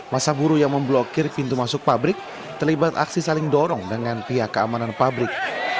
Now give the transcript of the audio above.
masa buruh yang memblokir pintu masuk pabrik terlibat aksi saling dorong dengan pihak keamanan pabrik